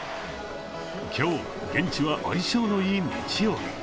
今日、現地は相性のいい日曜日。